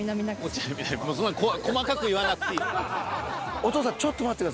お父さんちょっと待ってください。